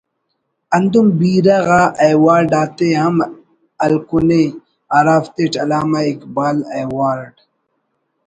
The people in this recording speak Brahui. ہندن بیرہ غا ایوارڈ آتے ہم ہلکنے ہرافتیٹ علامہ اقبال ایوراڈ